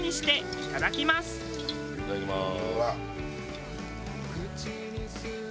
いただきまーす。